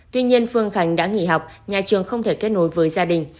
tuy nhiên phương khánh đã nghỉ học nhà trường không thể kết nối với gia đình